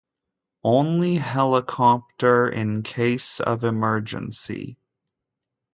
Only helicopter in case of emergency.